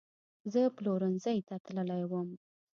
زه پلورنځۍ ته تللې وم